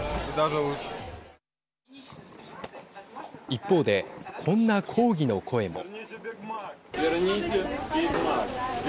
一方で、こんな抗議の声も。